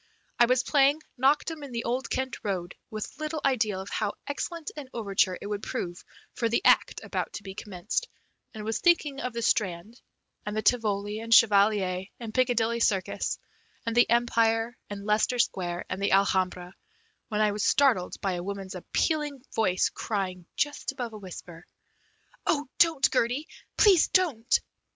I was playing "Knocked 'em in the Old Kent Road" with little idea of how excellent an overture it would prove for the act about to be commenced, and was thinking of the Strand, and the Tivoli, and Chevalier, and Piccadilly Circus, and the Empire, and Leicester Square, and the Alhambra, when I was startled by a woman's appealing voice crying just above a whisper: "Oh, don't, Gertie; please don't!"